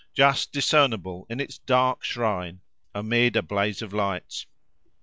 —just discernible in its dark shrine, amid a blaze of lights.